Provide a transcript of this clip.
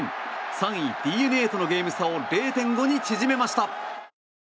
３位ＤｅＮＡとのゲーム差を０．５に縮めました。